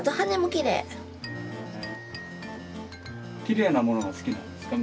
きれいなものが好きなんですか？